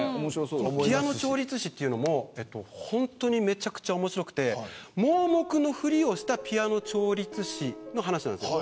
ピアノ調律師っていうのも本当にめちゃくちゃ面白くて盲目のふりをしたピアノ調律師の話なんです。